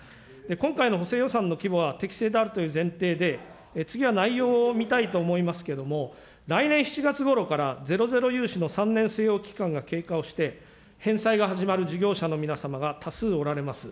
今回の補正予算の規模は適正であるという前提で、次は内容を見たいと思いますけども、来年７月ごろから、ゼロゼロ融資の３年据え置き期間が経過をして、返済が始まる事業者の皆様が多数おられます。